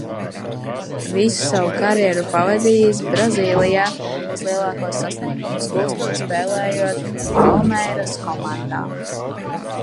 "Visu savu karjeru pavadījis Brazīlijā, vislielākos sasniegumus gūstot, spēlējot "Palmeiras" komandā."